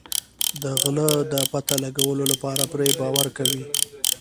د غله د پته لګولو لپاره پرې باور کوي.